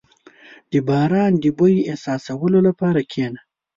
• د باران د بوی احساسولو لپاره کښېنه.